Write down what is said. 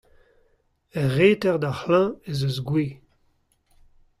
Er reter d'ar c'hleuz ez eus gwez.